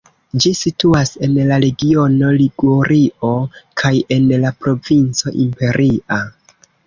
Ĝi situas en la regiono Ligurio kaj en la provinco Imperia.